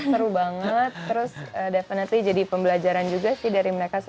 seru banget terus definitely jadi pembelajaran juga sih dari mereka